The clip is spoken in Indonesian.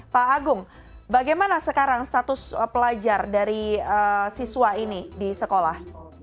pak agung bagaimana sekarang status pelajar dari siswa ini di sekolah